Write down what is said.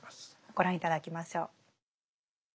ご覧頂きましょう。